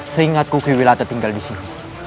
seingatku kriwilata tinggal di sini